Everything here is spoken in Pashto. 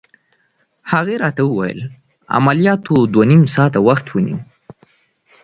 هغې راته وویل: عملياتو دوه نيم ساعته وخت ونیو.